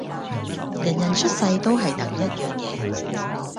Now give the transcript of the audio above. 人人出世都係等一樣嘢